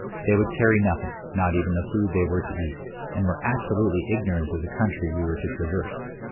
They would carry nothing, not even the food they were to eat, and were absolutely ignorant of the country we were to traverse.